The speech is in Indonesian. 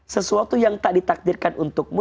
sesuatu yang tak ditakdirkan untukmu